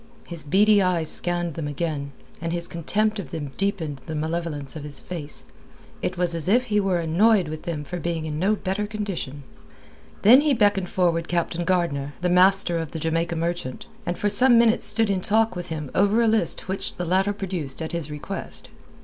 His beady eyes scanned them again, and his contempt of them deepened the malevolence of his face. It was as if he were annoyed with them for being in no better condition. Then he beckoned forward Captain Gardner, the master of the Jamaica Merchant, and for some minutes stood in talk with him over a list which the latter produced at his request.